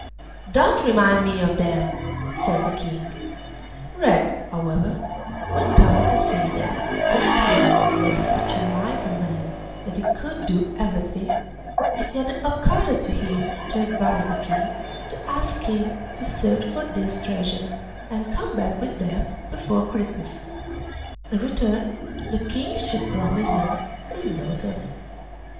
'Don't remind me of them!' said the King. Red, however, went on to say that, since Ring was such a mighty man that he could do everything, it had occurred to him to advise the King to ask him to search for these treasures, and come back with them before Christmas; in return the King should promise him his daughter.